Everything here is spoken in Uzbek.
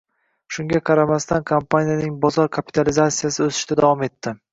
Shunga qaramasdan, kompaniyaning bozor kapitalizatsiyasi o‘sishda davom etdi